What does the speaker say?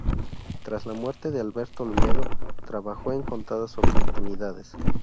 Tras la muerte de Alberto Olmedo trabajó en contadas oportunidades.